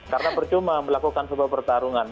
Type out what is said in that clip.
karena percuma melakukan sebuah pertarungan